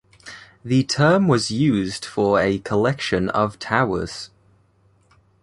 The term was used for a collection of towers.